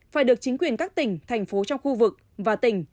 phải được chính quyền các tỉnh thành phố trong khu vực và tỉnh